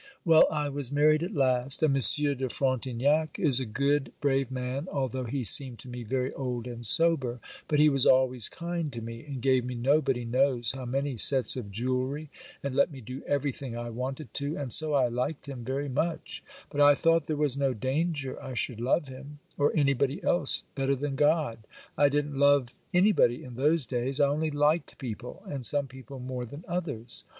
'Well, I was married at last, and Monsieur de Frontignac is a good, brave man, although he seemed to me very old and sober; but he was always kind to me, and gave me nobody knows how many sets of jewelry, and let me do everything I wanted to, and so I liked him very much; but I thought there was no danger I should love him, or anybody else better than God. I didn't love anybody in those days, I only liked people, and some people more than others.